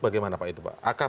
bagaimana pak itu pak